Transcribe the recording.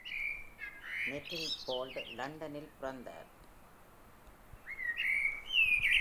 Nettlefold, லண்டனில் பிறந்தார்.